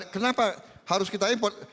kenapa harus kita impor